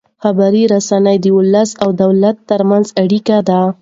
خبري رسنۍ د ولس او دولت ترمنځ اړیکه ده.